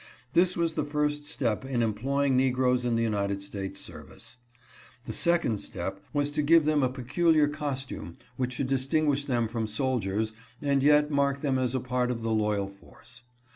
This was the first step in employing negroes in the United States service. The second step was to give them a peculiar costume which should distinguish them from soldiers, and yet mark them as a part of the loyal force.